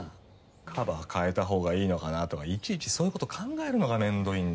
カバー替えたほうがいいのかなとかいちいちそういう事考えるのがめんどいんだよ。